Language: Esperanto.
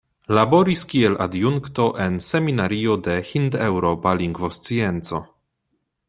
Laboris kiel adjunkto en Seminario de Hindeŭropa Lingvoscienco.